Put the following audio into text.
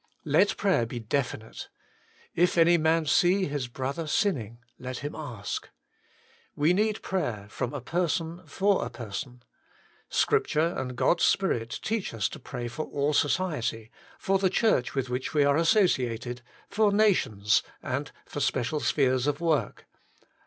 Let prayer be definite. If any man see his brother sinning let him ask. We need prayer from a person for a person. Scrip ture and God's spirit teach us to pray for all society, for the Church with which we are associated, for nations, and for special spheres of work.